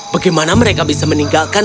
bagaimana mereka bisa meninggalkan